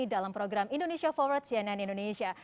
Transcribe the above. dalam program indonesia forward cnn indonesia